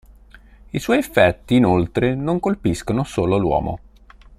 I suoi effetti inoltre non colpiscono solo l'uomo.